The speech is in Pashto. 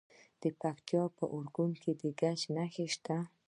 د پکتیکا په ارګون کې د ګچ نښې شته.